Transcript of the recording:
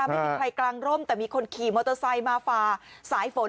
ไม่มีใครกลางร่มแต่มีคนขี่มอเตอร์ไซค์มาฝ่าสายฝน